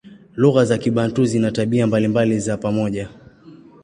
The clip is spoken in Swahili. Lugha za Kibantu zina tabia mbalimbali za pamoja.